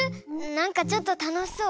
なんかちょっとたのしそう。